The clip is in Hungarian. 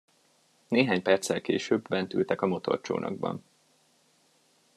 Néhány perccel később bent ültek a motorcsónakban.